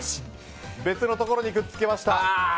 別のところにくっつけました。